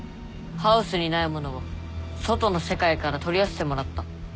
ハウスにないものを外の世界から取り寄せてもらった。